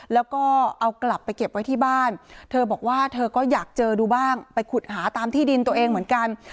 แล้วก็เอากลับไปเก็บไว้ที่บ้านเธอบอกว่าเธอก็อยากเจอดูบ้างไปขุดหาตามที่ดินตัวเองเหมือนกัน